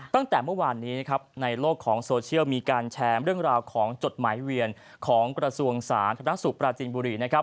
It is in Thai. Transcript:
ตั้งแต่เมื่อวานนี้นะครับในโลกของโซเชียลมีการแชร์เรื่องราวของจดหมายเวียนของกระทรวงสาธารณสุขปราจินบุรีนะครับ